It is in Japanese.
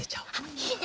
いいね！